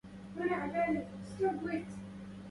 أهلا بأكبر وافد زار الحمى